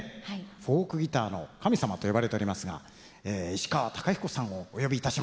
フォークギターの神様と呼ばれておりますが石川鷹彦さんをお呼びいたしまして。